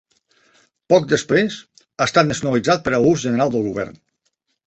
Poc després, ha estat "nacionalitzat" per a l'ús general del Govern.